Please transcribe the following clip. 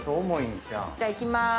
じゃあいきまーす。